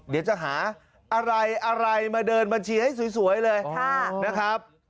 เดี๋ยวจะหาอะไรอะไรมาเดินบัญชีให้สวยเลยนะครับ